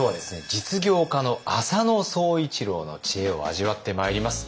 実業家の浅野総一郎の知恵を味わってまいります。